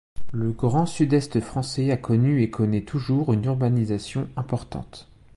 Le Grand Sud-Est français a connu et connaît toujours une urbanisation importante.